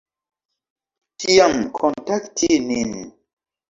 Tiam kontakti nin.